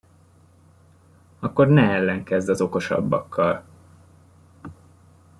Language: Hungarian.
Akkor ne ellenkezz az okosabbakkal!